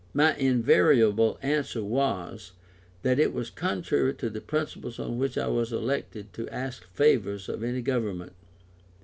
My invariable answer was, that it was contrary to the principles on which I was elected to ask favours of any Government.